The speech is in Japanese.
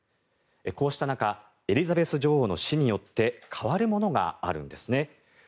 こうした中エリザベス女王の死によって変わるものがあるんですね。